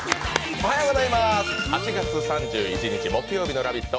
おはようございます、８月３１日木曜日の「ラヴィット！」